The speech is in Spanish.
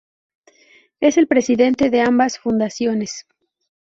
Es el presidente de ambas fundaciones.